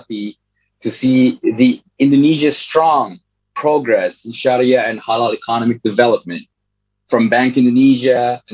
kemajuan yang kuat di indonesia dalam pembangunan ekonomi syariah dan halal dari bank indonesia dan